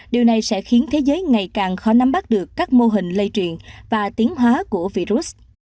điều này sẽ khiến thế giới ngày càng khó nắm bắt được các mô hình lây truyền và tiến hóa của virus